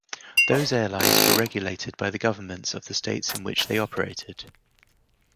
Those airlines were regulated by the governments of the states in which they operated.